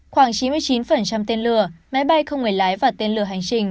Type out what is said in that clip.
khoảng chín mươi chín tên lửa máy bay không người lái và tên lửa hành trình